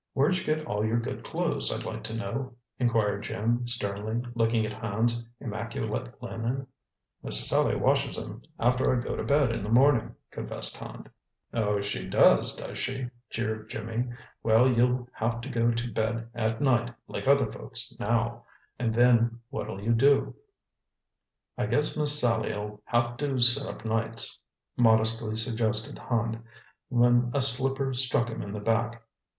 "Where'd you get all your good clothes, I'd like to know?" inquired Jim sternly, looking at Hand's immaculate linen. "Miss Sallie washes 'em after I go to bed in the morning," confessed Hand. "Oh, she does, does she!" jeered Jimmy. "Well, you'll have to go to bed at night, like other folks, now. And then what'll you do?" "I guess Miss Sallie'll have to sit up nights," modestly suggested Hand, when a slipper struck him in the back.